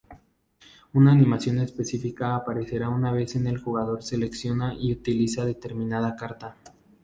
Una animación especifica aparecerá una vez que el jugador selecciona y utiliza determinada Carta.